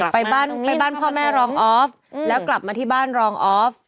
ไปบ้านไปบ้านพ่อแม่รองออฟแล้วกลับมาที่บ้านรองออฟ